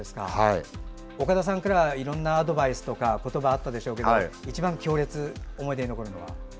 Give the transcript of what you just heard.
岡田さんからはいろんなアドバイスとか言葉があったでしょうけど一番強烈に思い出に残るのは？